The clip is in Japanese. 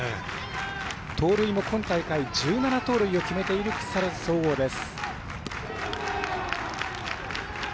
盗塁も今大会１７盗塁を決めている木更津総合です。